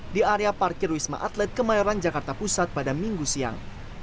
di area parkir wisma atlet kemayoran jakarta pusat pada minggu siang